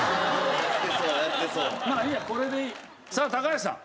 さあ高橋さん。